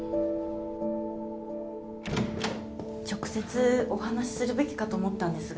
直接お話しするべきかと思ったんですが。